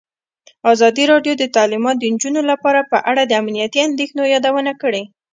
ازادي راډیو د تعلیمات د نجونو لپاره په اړه د امنیتي اندېښنو یادونه کړې.